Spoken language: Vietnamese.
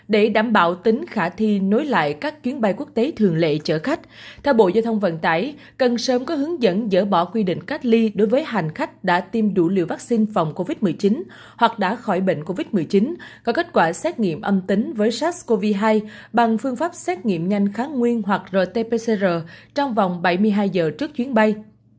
để đảm bảo tính khả thi nối lại các chuyến bay quốc tế thường lệ chở khách theo bộ giai thông vận tải cần sớm có hướng dẫn dỡ bỏ quy định cách ly đối với hành khách đã tiêm đủ liều vaccine phòng covid một mươi chín hoặc đã khỏi bệnh covid một mươi chín có kết quả xét nghiệm âm tính với sars cov hai bằng phương pháp xét nghiệm nhanh kháng nguyên hoặc rt pcr trong vòng bảy mươi hai giờ trước chuyến bay